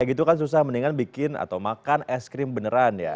gitu kan susah mendingan bikin atau makan es krim beneran ya